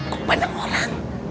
kok banyak orang